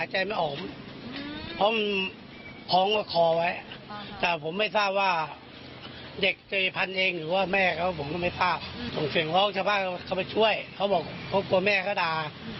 เห็นพ่อของชาวบ้านเขาไปช่วยกันแต่ก็บอกครูกลัวแม่เค้าหน้า